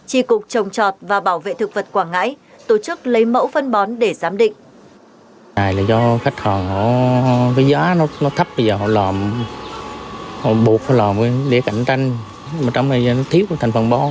tri cục trồng chọt và bảo vệ thực vật quảng ngãi tổ chức lấy mẫu phân bón để giám định